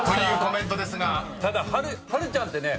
ただ波瑠ちゃんってね